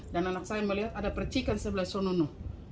dan anak saya melihat ada percikan sebelah sana